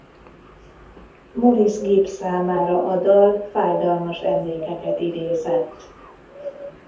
Maurice Gibb számára a dal fájdalmas emlékeket idézett.